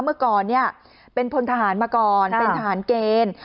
เมื่อก่อนเป็นพลทหารมาก่อนเป็นทหารเกณฑ์